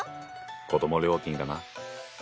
子ども料金だな。